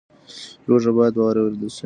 لوږه باید واورېدل شي.